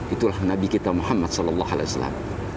itulah nabi kita muhammad saw